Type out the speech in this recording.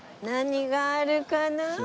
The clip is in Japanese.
何があるかな？